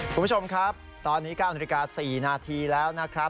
คุณผู้ชมครับตอนนี้๙นาฬิกา๔นาทีแล้วนะครับ